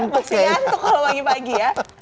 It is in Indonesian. masih ngantuk kalau pagi pagi ya